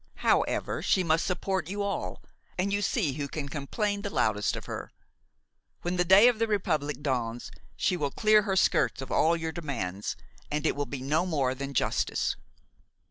However, she must support you all, and you see who can complain the loudest of her. When the day of the Republic dawns, she will clear her skirts of all your demands, and it will be no more than justice."